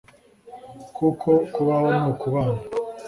kuko “Kubaho ni ukubana”